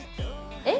えっ？